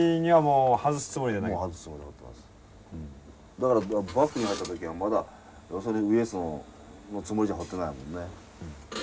だからバックに入った時はまだウエストのつもりじゃ放ってないもんね。